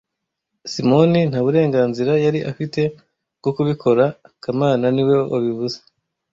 Simoni nta burenganzira yari afite bwo kubikora kamana niwe wabivuze